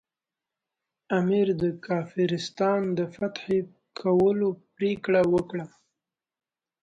امیر د کافرستان د فتح کولو پرېکړه وکړه.